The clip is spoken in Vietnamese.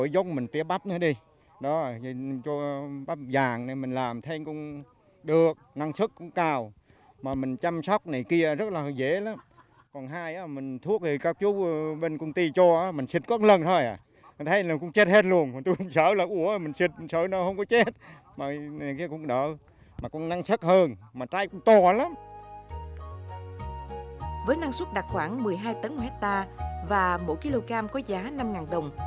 với năng suất đạt khoảng một mươi hai tấn một hectare và mỗi kg có giá năm đồng